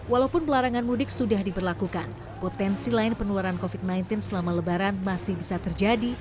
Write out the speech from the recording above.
walaupun pelarangan mudik sudah diberlakukan potensi lain penularan covid sembilan belas selama lebaran masih bisa terjadi